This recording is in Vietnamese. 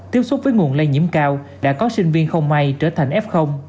tiếp xúc với nguồn lây nhiễm cao đã có sinh viên không may trở thành f